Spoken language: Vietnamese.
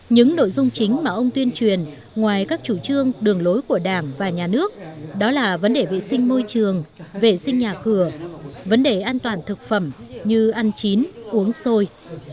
những nội dung chính mà ông tuyên truyền ngoài các chủ trương đường lối của đảng và nhà nước đó là vấn đề vệ sinh môi trường vệ sinh nhà cửa vấn đề an toàn thực phẩm như ăn chín uống xôi